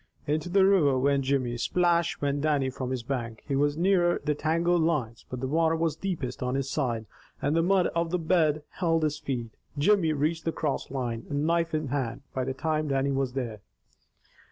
Into the river went Jimmy; splash went Dannie from his bank. He was nearer the tangled lines, but the water was deepest on his side, and the mud of the bed held his feet. Jimmy reached the crossed lines, knife in hand, by the time Dannie was there.